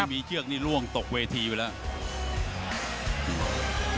มีเชือกนี้ล่วงตกวทีไปแล้ว